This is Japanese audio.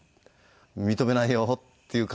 「認めないよ」っていう感じで。